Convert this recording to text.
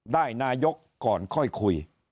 ได้นายกก่อนค่อยคุย